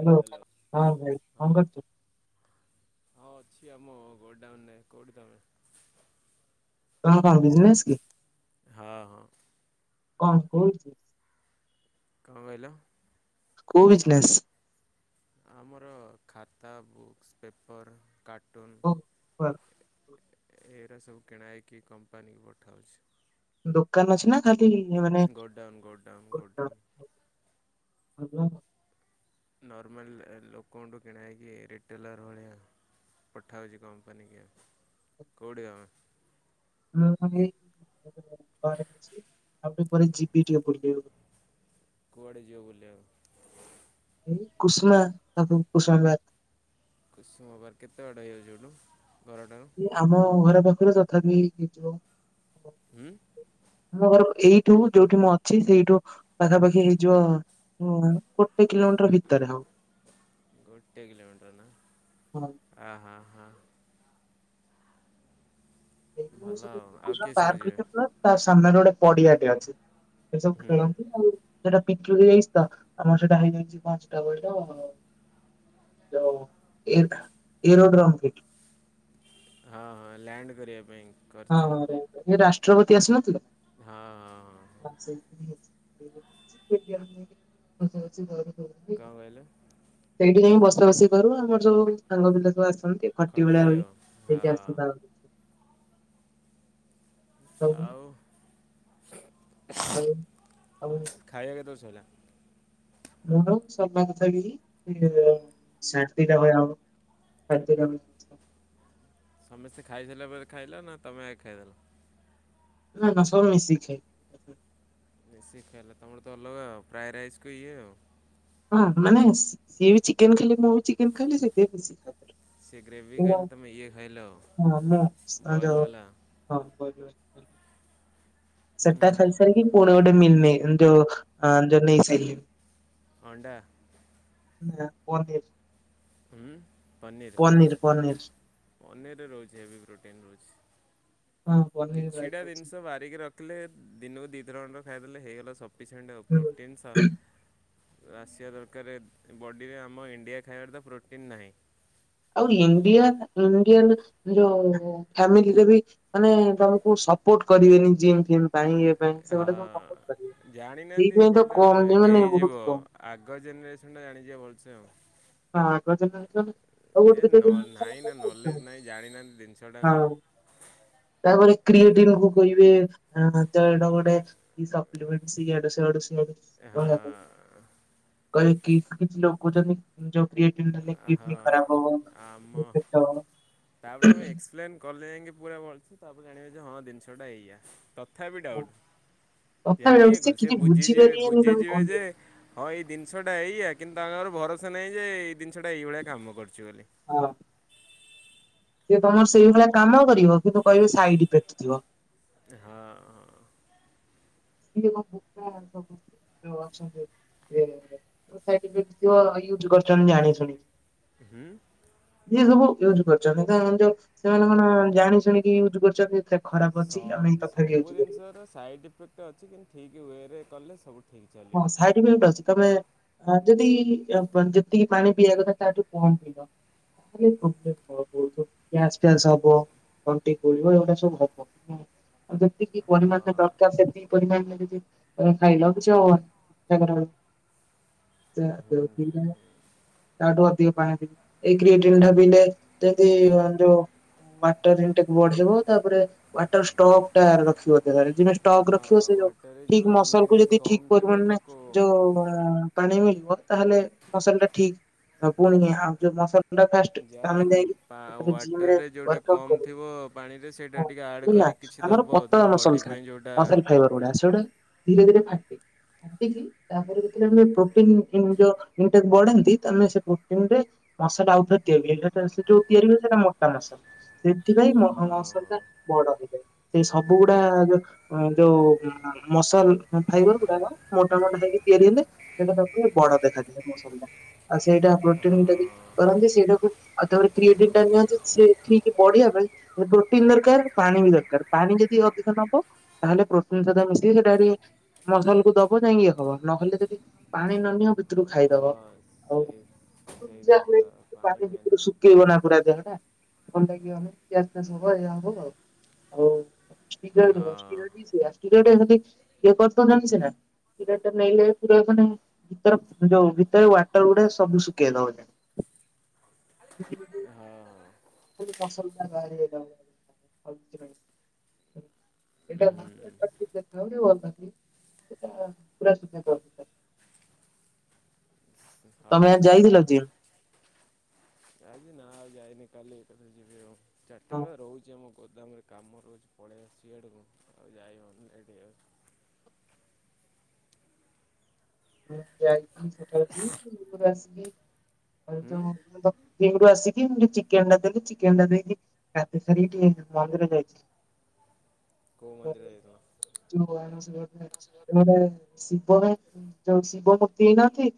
Hello ହଁ ଭାଇ କଣ କରଚୁ। ହଁ ଅଛି ଆମ ଗୋଡାଉନରେ କୋଉଠି ତମେ। ତମର ବିଜନେସ କି? ହଁ ହଁ। କଣ କହୁଚୁ। କଂ କହିଲ। କୋଉ ବିଜନେସ୍। ଆମର ଖାତା ବୁକ୍ସ ପେପର୍ କାର୍ଟୁନ୍ ଏରା ସବୁ କିଣା ହେଇକି କମ୍ପାନୀକୁ ପଠାହୋଚି। ଦୋକାନ ଅଛି ନା ଖାଲି ଏ ମାନେ ଗୋଡାଉନ୍ ଗୋଡାଉନ୍ [inaudible] ଗୋଡାଉନ୍। [inaudible] ନର୍ମାଲ ଏ ଲୋକଙ୍କଠୁ କିଣାହେଇକି ରିଟେଲର୍ ଭଳିଆ ପଠାହେଉଛି କମ୍ପାନୀ କି କୋଉଠି ତମେ। [unintelligible] ଆଉ ଟିକେ ପରେ ଯିବି ଟିକେ ବୁଲିବାକୁ। କୁଆଡ଼େ ଯିବ ବୁଲିବାକୁ। ଏଇ କୁଷ୍ମା [unintelligible] କୁସୁମ ପାର୍କ କେତେ ବାଟ ହେଇଯାଚି ଏଠୁ ଘରଠାରୁ। ଆମ ଘର ପାଖରୁ ତଥାପି ହେଇଥିବ ହୁଁ। ମୋ ଘର ଏଇଠୁ ଯୋଉଠି ମୁଁ ଅଛି ସେଇଠୁ ପାଖାପାଖି ହେଇଯିବ ହୁଁ ଗୋଟେ କିଲୋମିଟର ଭିତରେ ହବ। ଗୋଟେ କିଲୋମିଟର ନା ହଁ ଆହା ହଁ। [inaudible] ଭଲ ଆଉ ଆଉ କୁସୁମା କିଏ ସବୁ ପାର୍କ ଯିବେ? ଭିତରେ ତା ସାମ୍ନାରେ ଗୋଟେ ପଡିଆଟେ ଅଛି। ସେଇସବୁ ହୁଁ। ଖେଳନ୍ତି ଆଉ। ସେଟା [unintelligible] ଆମର ସେଇଟା ହେଇଯାଇଛି ପାଞ୍ଚଟା ବେଳ ତ ଯୋଉ ଏକ୍ ଏରୋଡ୍ରମ୍ ଫିଲ୍ଡ ଆଁ ହଁ ଲ୍ୟାଣ୍ଡ କରିବା ପାଇଁ। ହଁ କରିଛନ୍ତି ରେ ଏ ରାଷ୍ଟ୍ରପତି ଆସିନଥିଲେ? ହଁ। [unintelligible] କଂ କହିଲେ। ସେଇଠି ଯାଇଁ ବସା ବସି କରୁ ଆମର ଯୋଉ ସାଙ୍ଗ ପିଲା ସବୁ ଆସନ୍ତି ଖଟି ଭଳିଆ ହୁଏ ଆଉ ହଁ ସେଇଠି ଆସ [unintelligible] ସବୁ ଆଉ [inaudible] ଖାଇବା କେତେଳେ ସଇଲା। [unintelligible] ସମସ୍ତେ ଖାଇସାଇଲା ପରେ ଖାଇଲ ନା ତମେ ଆଗେ ଖାଇଦେଲ। ନା ନା ସବୁ ମିଶିକି ଖାଲୁ। ମିଶିକି ଖାଇଲ ତମର ତ ଅଲଗା ଆଉ ଫ୍ରାଏ ରାଇସ୍ କୁ ଇଏ ଆଉ। ହଁ ମାନେ ସିଏ ବି ଚିକେନ ଖାଇଲେ ମୁଁ ବି ଚିକେନ ଖାଇଲି ସେଥିପାଇଁ ମିଶିକି ଖାଇଲୁ। ସେ ଗ୍ରେଭି ଖାଇଲେ ତମେ ଇଏ ଖାଇଲ ହଁ ମୁଁ ସ- ବଏଲ ଯୋଉ ବାଲା। ହଁ ବଏଲ୍ ବାଲା। ହୁଁ ସେଟା ହୁଁ ଖାଇସାରିକି ପୁଣି ଗୋଟେ ମିଲ ନେଇଗଲି ଯୋଉ ହଁ ଯୋଉ ନେଇ ସାରିଲିଣୀ। ଅଣ୍ଡା ନା ପନିର୍ ଉଁ, ପନିର୍ ପନିର ପନିର ପନିର୍ ରେ ରହୁଛି ହେବି ପ୍ରୋଟିନ୍ ରହୁଛି। ହଁ ପନିର ବାଗ କିଛିଟା ଅଛି। ଜିନିଷ ବାର ଦେଇକି ରଖିଲେ ଦିନକୁ ଦିଥର ଖଣ୍ଡେ ଖାଇଦେଲେ ହେଇଗଲା ସଫିସିଏଣ୍ଟ, ଆଉ ପ୍ରୋଟିନ୍ ସା ହୁଁ। ଆସିବା ଦରକାରେ ବଡ଼ିରେ ଆମ ଇଣ୍ଡିଆ ଖାଇବାରେ ତ ପ୍ରୋଟିନ୍ ନାହିଁ। ଆଉ ଇଣ୍ଡିଆ ଇଣ୍ଡିଆନ୍ ଯୋ ଫ୍ୟାମିଲିରେ ବି ମାନେ ତୋମକୁ ସପୋର୍ଟ କରିବେନି ଜିମ୍ ଫିମ୍। ପାଇଁ ଏ ପାଇଁ ସେ ଗୋଟେ ତ ପକ ପାରିବେ, ହଁ ଜାଣିନାହାନ୍ତି ସେଇଥିପାଇଁ ତ ବଟ୍ କମ ବି ମାନେ ହେଇଯିବ ବହୁତ କମ। ଆଗ ଜେନେରେସନ୍ ଟା ଜାଣିଯିବ ଭଲସେ ଆଉ। ହଁ ଆଗ ଏ ନ ଜେନେରେସନ୍ ନାହିଁ ନା ନଲେଜ୍ ନାହିଁ ଜାଣିନାହାନ୍ତି ଜିନିଷଟା [inaudible] କ'ଣ ହଁ ତାପରେ କ୍ରିଏଟିନ୍ କୁ କହିବେ ଏଁ, ତ ଏଇଟା ଗୋଟେ କି ସପ୍ଲିମେଣ୍ଟସ୍ ଇଆଡୁ ସିଆଡ଼ୁ [inaudible] [unintelligible] ହଁ କହିବେ କି କିଛି ଲୋକ କହୁଛନ୍ତି ଯୋଉ କ୍ରିଏଟିନ୍ ଡେଲି ହଁ କିଡନୀ ଖରାପ ହବ ଆମ ଏ ପେଟ ତାପରେ ତୁମେ ଏକ୍ସପ୍ଲେନ୍ କଲେ ଯାଇକି ପୁରା ଭଲସେ, ତାପରେ ଜାଣିବେ ଯେ ହଁ ଜିନିଷ ଟା ଏଇଆ। ତ ଥାପି ହଁ ଡାଉଟ୍ ତଥାପି ଆଉ ଜାଣିବେ ସେ କଣ, ସିଏ କିଛି ବୁଝିଯିବେ ବୁଝିପାରିବେନି ତମେ ବୁଝିଯିବେ କହିବ ଯେ କଣ ହଁ ଏଇ ଦୃନିଷଟା ଏଇଆ କିନ୍ତୁ ତାଙ୍କର ଭରସା ନାହିଁ ଯେ ଏଇ ଦିନିଷଟା ଏଇଭଳିଆ କାମ କରୁଛି ବୋଲି। ହଁ। ସିଏ ତୋମ ସେଇଭଳିଆ କାମ କରିବ କିନ୍ତୁ କହିବେ ସାଇଡ୍ ଇଫେକ୍ଟ ଥିବ। ଏ ହଁ, ହଁ। ସିଏ କଣ ବୁକା ସମସ୍ତେ ଯୋଉ ଅଛନ୍ତି ଇଏ [inaudible] ତଥାପି ବୁଝୁଥିବ ୟୁଜ୍ କରୁଚନ୍ ଜାଣିଶୁଣି। ହୁଁ। ଯିଏ ସବୁ ୟୁଜ୍ କରିଛନ୍ତି କାରଣ ଯୋଉ ସେମାନେ କଣ ଜାଣି ଶୁଣିକି ୟୁଜ୍ କରିଛନ୍ତି। ସେ ଖରାପ ଅଛି ସହ ଆମେ ତଥାପି ୟୁଜ୍ ସବୁ କରିବୁ ଜିନିଷର ସାଇଡ଼୍ ଇଫେକ୍ଟ ଅଛି କିନ୍ତୁ ଠିକ୍ ୱେରେ କଲେ ସବୁ ଠିକ୍ ହଁ ଚାଲିବ। ସାଇ [unintelligible] ତୋମେ ଆ, ଯଦି ଆପଣ ଯେତିକି ପାଣି ପିଇବା କଥା ତାଠୁ କମ ପିଇବ। [unintelligible] ପ୍ରବ୍ଲେମ୍ ହବ ବହୁଥ ଗ୍ୟାସ୍ ଫ୍ୟାସ୍ ହବ ତଣ୍ଟି କୁହୁଳିବ ଏଗୁଡା ସବୁ ହବ। ହଁ ଆଉ ଯେତିକି ହଁ ପରିମାଣରେ ଦରକାର ସେତିକି ପରିମାଣରେ ଯଦି ଏ ଖାଇଲ କିଛି ଆଉ ହବନି। [unintelligible] ତାଠୁ ଅଧିକ ପାଣି [inaudible] ଏଇ କ୍ରିଏଟିନ୍ ଟା ପିଇଲେ ତ ଏଇଭଳିଆ [unintelligible] ୱାଟର୍ ରିନ୍ ଟାକୁ ବଢେଇବ ତାପରେ ୱାଟର୍ ଷ୍ଟକ୍ ଟା ରଖିବ ଦେହରେ। ଜିଣେ ଟକ୍ ରଖିବ ହଁ ସେ ଯୋଉ ୱାଟରରେ ଠିକ୍ ଯେଉଁ ମସଲ୍ କୁ ଇନଗ୍ରିଡ଼ିଏଣ୍ଟ ଯଦି ଠିକ୍ କମ୍ ଥିବ ପରିମାଣରେ ତାକୁ ଯୋଉ [unintelligible] ପାଣି ମିଳିବ ତାହେଲେ ମସଲ୍ ଟା ଠିକ, ଆଉ ପୁଣି [unintelligible] ଆଉ ଯୋଉ ମସଲ୍ ପୁରା ଫାର୍ଷ୍ଟ ଯାହା ଆମେ ପା ଯାଇକି ସେ ଜିମ୍ ରେ ୱାଟରରେ ଯେଉଁଟା ୱାର୍କଆଉଟ୍ କମ୍ କରୁ। ଥିବ ପାଣିରେ ସେଇଟା ହଁ ଟିକେ ଆଡ଼୍ [unintelligible] ନା। କରି କିଛି ଆମର ଦବ ତମ ପତଳା ମସଲ୍ ବଡ଼ି ଥାଏ, ପାଇଁ ଯେଉଁଟା ମସଲ ଫାଇବର ଗୁଡା ସେଉଡା ଧୀରେ ଧୀରେ ଫାଟେ। ଫାଟିକି ତାପରେ ଯେତେବେଳେ ଆମେ ପ୍ରୋଟିନ୍ ଇନ୍ ଯୋ ଇନଟେକ୍ ବଢନ୍ତି ତା ମାନେ ସେ ପ୍ରୋଟିନ୍ ଟା ମସଲ ଆଉଥରେ ତିଆରି [unintelligible] ସେ ଯୋଉ ତିଆରି ହୁଏ ସେଟା ମୋଟା ମସଲ୍ ସେଥିପାଇଁ ମ-ମସଲ୍ ହଁ ଟା ବଡ ହେଇଯାଏ, ସେଇ ସବୁ ଗୁଡା ଯୋଉ ଅଁ, ଯୋଉ ଉଁ, ମସଲ୍ ହଁ ଫାଇବର୍ ଗୁଡାକ ମୋଟାାମୋଟ ହେଏଇକି ତିଆରି ହେଲେ ସେଇଟା ତାକୁ ବଡ ଦେଖାଯାଏ ମସଲ୍ ଟା। ଆ, ସେଇଟା ହଁ ପ୍ରୋଟିନ୍ ଟା ବି ହଁ କରନ୍ତି ସେଇଟାକୁ ଆଉ ତାପରେ କ୍ରିଏଟିନ୍ ଟା ନିଅନ୍ତି ସେ ଠିକ୍ ବଢିଆ ପାଇଁ। ଏ ପ୍ରୋଟିନ୍ ଦରକାର, ପାଣି ବି ଦରକାର, ପାଣି ଯଦି ଅଧିକ ନବ ତାହେଲେ ପ୍ରୋଟିନ ସହିତ ମିଶେଇ ସେଟା ସେଠି ମସଲ୍ କୁ ଦ ଦବ ଯାଇଁ କି ଇଏ ହବ ନହେଲେ ଯଦି ପାଣି ନ ନିଅ ଭିତରୁ ଖାଇଦବ ହଁ ଆଉ। ସେଇ ସେଇ ଯା ହୁଏ ଜିନିଷଟା ପାଣି ମେନ୍ ଭିତରେ ଶୁକେଇବ ଜିନିଷ। ନା ପୁରା ଦେହ ଟା। ଭଲ ଲାଗି ବନି ଗ୍ୟାସ ଫ୍ୟାସ୍ ଏଇଆ ହବ ଆଉ। ଆଉ ଖିର ନିଅ ହଁ ଖିର ରେ ବି ସେଇଆ ଖିରି ଟା ସେତେ ଇଏ କରୁଛନ୍ତି ସିନା। ଖିର ଟା ନେଲେ ପୁରା ମାନେ ଭିତରେ ଯୋଉ ଭିତରେ ୱାଟର ଗୁଡା ସବୁ ଶୁଖେଇ ଦବ। [unintelligible] ଏ ହଁ। ଖାଲି ମସଲ ଟା ବାହାରି ଯାଇ ଥିବ ଆଉ କିଛି ନାହିଁ। ହୁଁ। [unintelligible] ଏଇଟା ପୁରା ସୁଖେଇ ଦବ ସେଟା। ତମେ ହଉ ଆଜି ସେଇଆ ଯାଇଥିଲ ବା। ଜିମ୍? ଆଜି ନା ଆଉ ଯାଇନି କାଲି ଏକାଥରେ ଯିବି ଆଉ। ଚାରିଟା ହଁ ବେଳେ ବା ରହୁଛି ଆମ। ଗୋଦାମରେ କାମ ରହୁଛି ପଳେଇ ଆସିଚି ଇଆଡ଼କୁ ଆଉ ଯାଇ ହବନି ଲେଟ୍ ହେଇଯାଉଛି। ମୁଁ ଯାଇଥିଲି ସକାଳେ ଆଜି ଜିମ ରୁ ଆସିକି ଆଉ ଯୋଉ ମୋ। ଜିମ ରୁ ଆସିକି ମୁ ଚିକେନ ଟା ଦେଲି ଚିକେନ ଟା ଦେଇକି ଗାଧେଇ ସାରିକି ଟିକେ ମନ୍ଦିର ଯାଇଥିଲି। [inaudible] କୋଉ ମନ୍ଦିର [unintelligible] ଯାଇଥିଲ? ଶିବ ରା ଯୋଉ ଶିବ ମୂର୍ତ୍ତି ହେଇ ନାହାନ୍ତି।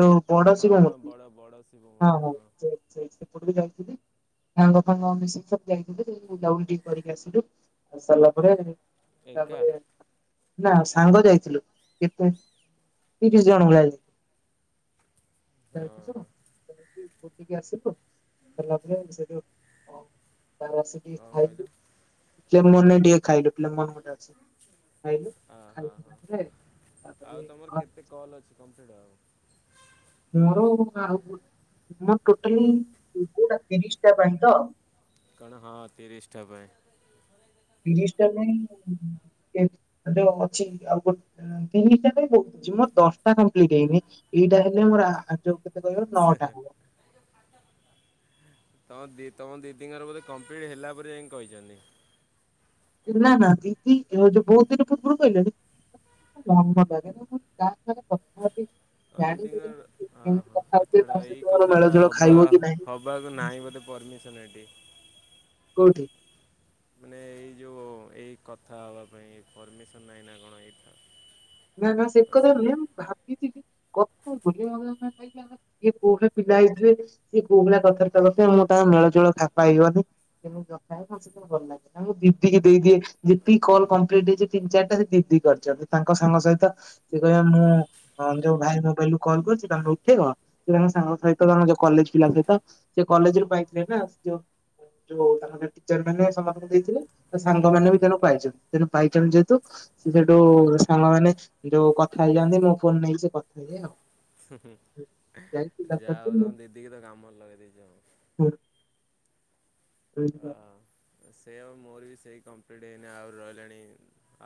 ଯୋଉ ବଡ ଶିବ ହଁ ମୂର୍ତି ବଡ଼ ବଡ଼ ଶିବ ହଁ ମୂର୍ତ୍ତି ହଁ ସେ ସେଇଠି ସେପଟେ କୁ ଯାଇଥିଲି। ସାଙ୍ଗ ଫାଙ୍ଗ ମିଶିକି ସବୁ ଯାଇଥିଲୁ, ଯାଇକି ବୁଲା ବୁଲି ଟିକେ କରିକି ଆସିଲୁ ଆସି ସାରିଲା ପରେ। ଏକା ତାପରେ ନା ସାଙ୍ଗ ଯାଇଥିଲୁ କେତେ ତିରିଶି ଜଣ ଭଳିଆ ଇଏ। ହଁ ଯାଇଥିଲୁ ହଁ ଯାଇକି ବୁଲିକି ଆସିଲୁ ଆସି ସାରିଲା ପରେ ସେଠୁ। ହଁ ଉ ତାପର ଆସିକି। କଣ କହିଲ। ଚେମନେ ଟିକେ ଖାଇଲୁ। ଲେମନ୍ ଗୋଟେ ଅଛି ଖାଇଲୁ ହଁ ଖାଇ ହଁ ସାରିଲା ପରେ ତାପରେ ହଁ। କଲ ଅଛି କମ୍ପ୍ଲିଟ ହବାକୁ। ମୋର ଆଉ ଗୋ ମୋର ଟୋଟାଲ କୋଉଟା ତିରିଶ ଟା ପାଇଁ ତ। କଣ ହଁ ତିରିଶ ଟା ପାଇଁ। ତିରିଶ ଟା ପାଇଁ କେ ମାତ୍ର ଅଛି ଆଉ ଗୋଟେ। ତିରିଶିଟା ପାଇଁ ବହୁତ ଅଛି ମୋର ଦଶଟା କମ୍ପ୍ଲିଟ ହେଇନି ଏଇଟା ହେଲେ ମୋର ଆ ଆ ଯୋଉ କେତେ କହିଲ ନଅଟା ହବ। ତମ ଦି ତମ ଦିଦିଙ୍କର ବୋଧେ କମ୍ପ୍ଲିଟ ହେଲା ପରେ ଯାଇକି କହିଛନ୍ତି। ନା ନା ଦିଦି ଯୋଉ ବହୁତ ଦିନ ପୂର୍ବରୁ କହିଲେଣି। ମୋ ମନ ଲାଗେନା ମୁଁ କହିଲି କାହା ସାଙ୍ଗରେ କଥା ହେବି। ତମ ଦିଦିଙ୍କ ଜାଣିପାରିବିନି ର କେମିତି ଅହ କଥା ହଉ ହଉଥିବେ ଚ୍ଛାଡ ତା ଏଇ ସହିତ ମୋର କଥା ମେଳ ଗୁରା ଜୋଳ ହବା ଖାଇବ କି ହବାକୁ ନାହିଁ ବୋଧେ ପରମିସ ସନ ଏଠି। କୋଉଠି। ମାନେ ଏଇ ଯୋଉ ଏଇ କଥା ହବା ପାଇଁ ପରମିସନ ନାହିଁ ନା କଣ ଏଇଥ। ନା ନା ସେ କଥା ନୁହେଁ ମୁଁ ଭାବିଥିଲି କଥା ହେବି ବୋଲି [inaudible] କିଏ କୋଉ ଭଳିଆ ପିଲା ହେଇଥିବେ। ସିଏ କୋଉ ଭଳିଆ କଥାବାର୍ତ୍ତା କରୁଥିବ ମୁଁ ତାଙ୍କ ମେଳ ଜୋଳ ଖା ପାଇବନି କେମତି କଥା ହେବି ମୁଁ ସେଥି ଭଲ ଲାଗେ। ତାଙ୍କୁ ଦିଦି କି ଦେଇଦିଏ, ଯେତିକି କଲ୍ କମ୍ପ୍ଲିଟ ହେଇଛି ତିନି ଚାରିଟା ସେ ଦିଦି କରିଛନ୍ତି। ତାଙ୍କ ସାଙ୍ଗ ସହିତ ସିଏ କହିବେ ମୁଁ ହଁ ଯୋଉ ଭାଇ ମୋବାଇଲୁରୁ କଲ୍ କରିଚି, ତାଙ୍କ ଉଠେଇବ ସେ ତାଙ୍କ ସାଙ୍ଗ ସହିତ ଯୋଉ କଲେଜ ପିଲା ସହିତ। ସେ କଲେଜ ରୁ ପାଇଥିଲେ ନା, ସେ ଯୋଉ ଯୋଉ ତାଙ୍କ ଟିଚର ମାନେ ସମସ୍ତଙ୍କୁ ଦେଇଥିଲେ। ତ ସାଙ୍ଗମାନେ ବି ହୁଁ ତେଣୁ ପାଇଛନ୍ତି, ତେଣୁ ପାଇଛନ୍ତି ଯେହେତୁ ସେ ସେଠୁ ସାଙ୍ଗ ମାନେ ଯୋଉ କଥା ହେଇଯାନ୍ତି, ମୋ ଫୋନ ନେଇକି ସେ କଥା ହେଇଯାଏ ଆଉ। ଯାଇ ଫିଲପ ଯାହା କରିଛି ହଉ ତମ ଦିଦି କି ତ କାମରେ ଲଗେଇ ଦେଇଛ। ହଁ। ସେଇ ଆଉ ମୋର ବି ସେଇ କମ୍ପ୍ଲିଟ୍ ହେଇନି, ଆହୁରି ରହିଲାଣି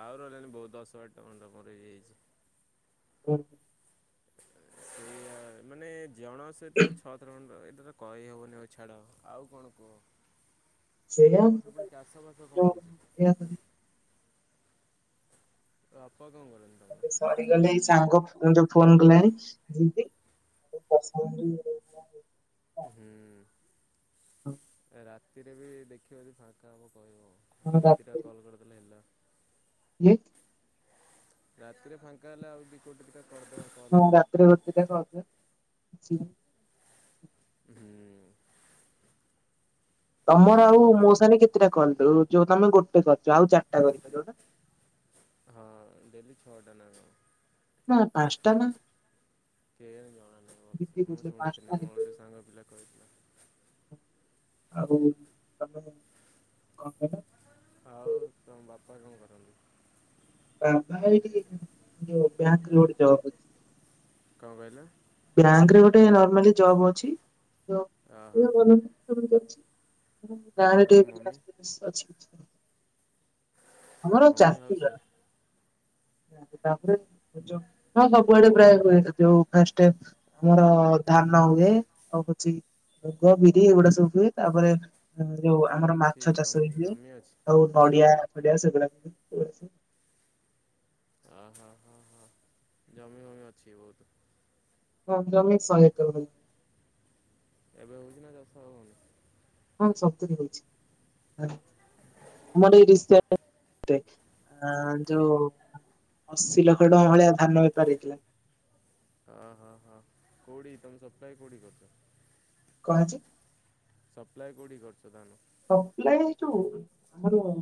ଆଉ ରହିଲାଣିି ବହୁତ ଦଶ ବାର ଟା ଖଣ୍ଡେ ମୋର ହେଇଯାଇଛି। ହୁଁ ସେଇଆ ମାନେ ଜଣ ସହିତ ଛଅ ଥର ଖଣ୍ଡ ଏଇଟା ତ କହି ହବନି ହଉ ଛାଡ ଆଉ କଣ କୁହ। ଆଉ ସେଇଆ ତମର ସେପଟେ ଚାଷ ବାସ କଣ ଯୋଉ ହଉଛି। ଏଇଆ ତୋ ବାପା କଣ କରନ୍ତି। ତମର? ସରିଗଲେ ଏଇ ସାଙ୍ଗ ଯ ଯୋଉ ଫୋନ କଲା ହେରି ଯେମିତି [unintelligible] ହୁଁ ରାତିରେ ବି ଦେଖିବ ଯଦି ଫାଙ୍କା ହେବ କହିବ ଆଉ ହଁ ଗୋଟେ ଦି ଟା କଲ କରିଦେଲେ ହେଲା କିଏ ରାତିରେ ଫାଙ୍କା ଏଲେ ଆଉ ଦି କୋଟେ ଦିଟା କରିଦେବ ହଁ କଲ। ରାତିରେ ଗୋଟେ ଦି ଟା କରିଦେବେ [unintelligible] ହୁଁ ତମର ଆଉ ମୋ ସାଙ୍ଗେରେ କେତେଟା କଲ୍ ଓ ଯୋଉ ତମେ ଗୋଟେ କରୀଚ ଆଉ ଚାରଟା କରିପାରିବ। ହାଁ ଡେଲି ଛଟା ନାଁ କଣ। ନା ପାଁଷ୍ଟା ନା। କେଜାଣି ଜଣା ନାଇ ଦିଦି ଭଲସେ ମୁ କହୁଥିଲେ ଶୁଣି ପାଞ୍ଚଟା ଥିଲି ମୋର ଗୋଟେ ସାଙ୍ଗ ପିଲା କହିଥିଲା ଆଗକୁ ଆଉ ତମ ବାପା କଣ କରନ୍ତି। ବାବା ଏଇଠି ଯ ବ୍ୟାଙ୍କ୍ ଲୋଡ଼ ଜବ୍। କଣ କଇଲ? ବ୍ୟାଙ୍କ ରେ ଗୋଟେ ନର୍ମାଲି ଜବ୍ ଅଚି ଓହୋ କୋଉ ଆଉ ତମ ମମି ଜବ୍ [unintelligible] ଆମର ମମି ଚାଷୀ ହାଉସ୍ [unintelligible] ୱାଇଫ୍ ହଁ ସବୁଆଡେ ପ୍ପ୍ରାୟେ ହୁଏ ଯୋଉ ଫାଷ୍ଟ୍ ଟାଇମ୍। ମୋର ଧାନ ହୁଏ ଆଉ କିଛି ମୁଗ ବିରି ଏଗୁଡ଼ା ସବୁ ହୁଏ ତାପରେ ଯୋଉ ତମର ଆମର ଅଛି ମାଛ ଚାଷ ଜମି ହୁଏ ଜମି ଅଛି? ଆଉ ନଡ଼ିଆ ଫଡ଼ିଆ ସେଗୁଡ଼ା ଆ ହା ହା ହା ଜମି ମମି ଅଛି ବହୁତ୍। ହଁ ଜମି ଶୋହେ ଏକର ଜମି ଏବେ ହଉଚି ନା ଚାଷ ଆଉ ହଉନି। ହଁ ସବୁଜି ହଉଚି ମୋର ଏଇ ରିସ୍ଡ଼ା ଆ ଯୋଉ ଅଶୀ ଲକ୍ଷେ ଟଆଁ ଭଳିଆ ଧାନ ବେପାର୍ ହେଇଥିଲା। ଆ ହା ହା କୋଡ଼ି ତମ ସପ୍ତାହେ କୋଉଠି କରୁଛ କଁ ହେଇଚି। ସପ୍ଲାଏ କୋଉଠି କରୁଛ ଧାନ। ସପ୍ଲାଏ ଏ ଯୋଉ ଆମର -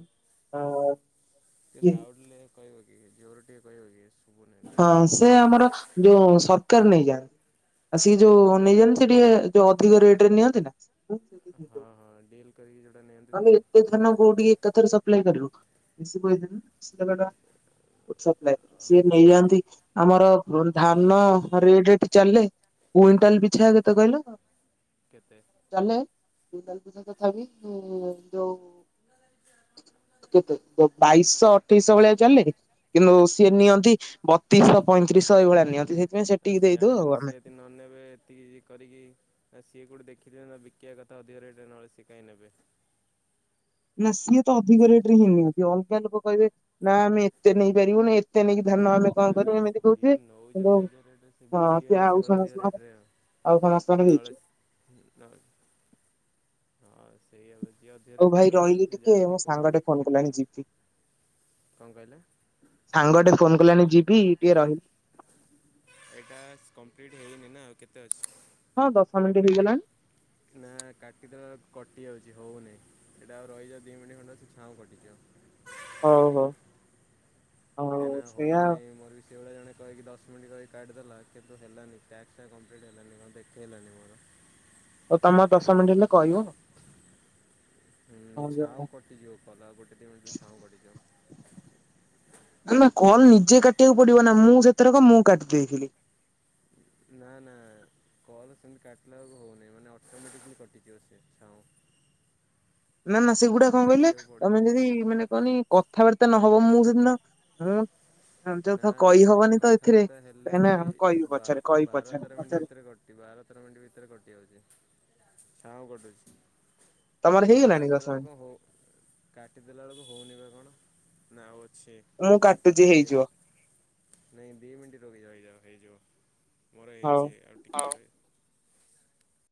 ଟି ଲାଉଡ୍ଲେ କହିବ କି ଜୋର୍ ରେ ଟିଏ କହିବ କି ଶୁବୁନି। ହଁ ସେ ଆମର ଯୋଉ ସତ୍କାର ନେଇଯା ଆ ସିଏ ଯୋଉ ନେଇ ଯାଆନ୍ତି ସେ ଟିକେ ଯୋଉ ଅଧିକ ରେଟ୍ ରେ ନିଅନ୍ତି ନା ହଁ ହଁ ଡିଲ୍ କରିକି ଯୋଉଟା ନିଅନ୍ତି ନହେଲେ ତ ଏତେ ଧାନ ଗୋଡି ଏକାଥରେ ସପ୍ଲେଇ କରିବୁ [unintelligible] ସପ୍ଲାଏ ସିଏ ବି ହେଇଆନ୍ତି ଆମର ପ ଧାନ ରେଟ୍ ଏଠି ଚାଲେ। କୁଇଣ୍ଟାଲ୍ ପିଛା କେତେ କହିଲ? କେତେ? ଚାଲେ କୁଇଣ୍ଟାଲ୍ ପିଛା ତଥା ବିି ଏ ଯୋଉ କେତେ ପାଇଶ ଅଠେଇଶ ଭଳିଆ ଚାଲେ କିନ୍ତୁ ସେ ହଁ ନିଅନ୍ତି ବତିଶ୍ଶ ପଇଁତିରିଶ ଏଇଭଳିଆ ନିଅନ୍ତି ସେ ଆ ସିଏ ଜାଣିଚନ୍ତି ସିଏ ୟଦି ନ ନେବେ ଏତିକି ଯେ କରିକି ଏ ସିଏ କେଉଁଠି ଦେଖିଥିବେ ନା ବିକିବା କତା ଅଧିକ ରେଟ୍ ନଏଲେ ସିଏ କାଇଁ ନେବେ। ନା ସିଏ ତ ଅଧିକ ରେଟ୍ ରେ ହିଁ ନିଅନ୍ତି ଅଲଗା ଲୋକ କହିବେ ନାଁ ଆମେ ଏତେ ନେଇ ପାରିବୁନି ଏତେ ନେଇକି ଧାନ ଆମେ କଣ କରିବୁ ଏମିତି କଉଥିବେ। କଉଚନ୍ତି ଅଧିକ ରେଟରେ ସେ ବିକିବେ ନା ସେଭଳା ଅଧିକ ସମସ୍ତଙ୍କର ରେଟରେ ଆଉ ସମସ୍ତଙ୍କର ହେଇଯିବ। ନଲେଶ୍ [unintelligible] ହଁ ସେଇଆ ହବ ଯିଏ ଅଧିକ ହଉ ରେଟରେ ଭାଇ ନଉଚି ରହିଲି ମାନେ ସିଏ ଟିକେ ମୋ ଜାଣିଛି କେଉଠି ସାଙ୍ଗଟେ ଫୋନ ବିକି କଲାଣି ଯିବି କଣ କହିଲେ? ସାଙ୍ଗ ଟେ ଫୋନ କଲାଣି ଯିବି ଟିକେ ରହିଲି। ଏଇ ଟାସ୍କ କଂପ୍ଲିଟ୍ ହେଇନି ନା ଆଉ କେତେ ଅଛି ହଁ ଦଶ ମିନିଟ୍ ଏବେ ହେଇଗଲାଣି ନା କାଟିଦେଲାକୁ କଟି ଯାଉଛି ହଉନି ଏଇଟା ଆଉ ରହିଯା ଦି ମିନି ଖଣ୍ଡେ ଅଛି ଛାଁଉ କଟିଯିବ। ହଉ ହଉ। ହଉ କାହିଁକିନା ହଉ ସେଇଆ ନାଇଁ ମୋର ବି। ସେଇଭଳିଆ ଜଣେ କହିକି ଦଶ ମିଣ୍ଟି କହିକି କାଟି ଦେଲା କିନ୍ତୁ ହେଲାନି ଟ୍ୟାକ୍ସ କମ୍ପ୍ଲିଟ୍ ହେଲାନି କଣ ଦେଖେଇଲାନି ମୋର। ହଉ ତମର୍ ଦଶ ମିନିଟ୍ ହେଲେ କହିବ। ହୁଁ ଆଉ। ଛାଉଁ କଟିଯିବ କଲ ଗୋଟେ ଦି ମିଣ୍ଟ୍ ଛାଉ କଟିଯିବ। ନା କଲ ନିଜେ କାଟିଆକୁ ପଡିବ ନା ମୁଁ ସେଥରକ ମୁଁ କାଟି ଦେଇଥିଲି। ନା ନା କଲ୍ ସେମିତି କାଟିଲାକୁ ହେଉନାହିଁ ମାନେ ଅଟୋମେଟିକାଲି କଟିଯିବ ସେ ଛାଉଁ। ନା ନା ସେଗୁଡା କଣ କହିଲେ କାଟିବାକୁ ତମେ ପଡ଼ିବନି। ଯଦି ମାନେ କନି କଥାବାର୍ତ୍ତା ନହବ ମୁଁ ସେଦିନ ମୁଁ ନା ଯୋଉଥ ନାଇଁ ନାଇଁ କହିହବନି ତ ଏଥିରେ କଥାବାର୍ତ୍ତା ହେଲେ କାହିଁକି ନା ବି କହିବି ବା ପଛରେ କହିବି ବାର ପଛରେ ତେର ମିନିଟ୍ ପଛରେ ଭିତରେ କଟି ଟି ବାର ତେର ମିନିଟ୍ ଭିତରେ କଟି ଯାଉଛି ଛାଉଁ କଟୁଛି। ତମର ମୋର ଏମିତି ହେଇଗଲାଣି ଦଶ କାଟିଦେଲାବେଳକୁ କଣ ହେଉ କାଟିଦେଲାବେଳକୁ ହେଉନି ବା କଣ ନା ଆଉ ଅଛି। ମୁଁ କାଟୁଚି ଦି ହେଇଯିବ। ନାଇଁ ଦି ମିନିଟ୍ ରହିଯାଓ ହେଇଯିବ ମୋର ହଉ। ହେଇଛି ଆଉ ଟିକେ।